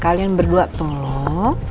kalian berdua tolong